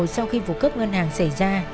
sau khi vụ cướp ngân hàng xảy ra